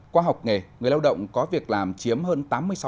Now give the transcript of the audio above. qua học nghề người lao động có việc làm chiếm hơn tám mươi sáu